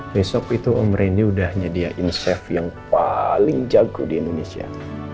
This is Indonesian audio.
besok itu omreny udah nyediain chef yang paling jago di indonesia